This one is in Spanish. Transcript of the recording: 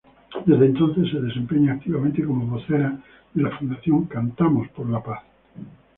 Desde entonces, se desempeña activamente como vocera de la Fundación "Cantamos por la Paz".